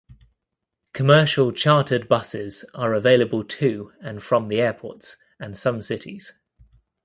Commercial chartered buses are available to and from the airports and some cities.